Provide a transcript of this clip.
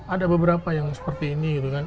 ada beberapa yang seperti ini gitu kan